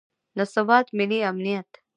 د ثبات، ملي امنیت